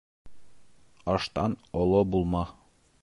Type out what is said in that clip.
Аштан оло булма.